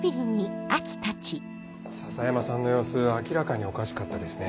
篠山さんの様子明らかにおかしかったですね。